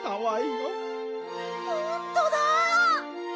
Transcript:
ほんとだ！